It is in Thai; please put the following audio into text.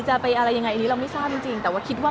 จะไปอะไรยังไงอันนี้เราไม่ทราบจริงแต่ว่าคิดว่า